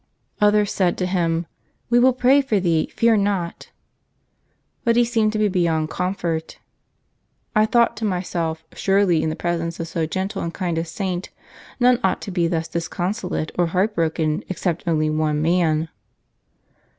Others said to him, ' We will all pray for thee, fear not.'* But he seemed to be beyond comfort. I thought to myself, surely in the presence of so gentle and kind a saint, none ought to be thus disconsolate or heart broken, except only one man."